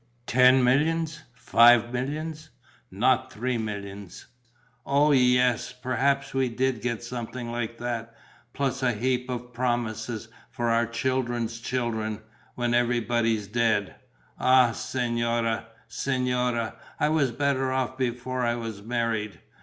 Ten millions? Five millions? Not three millions! Or yes, perhaps we did get something like that, plus a heap of promises, for our children's children, when everybody's dead. Ah, signora, signora, I was better off before I was married!